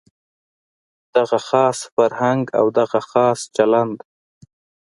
دغه خاص فرهنګ او دغه خاص چلند.